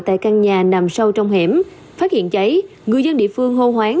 trong nhà nằm sâu trong hẻm phát hiện cháy người dân địa phương hô hoán